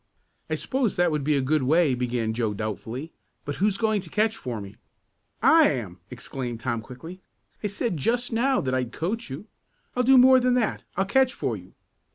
"I suppose that would be a good way," began Joe doubtfully, "but who's going to catch for me?" "I am!" exclaimed Tom quickly. "I said just now that I'd coach you. I'll do more than that, I'll catch for you.